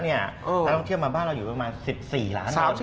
นักท่องเที่ยวมาบ้านเราอยู่ประมาณ๑๔ล้านคน